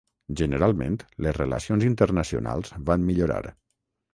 Generalment les relacions internacionals van millorar.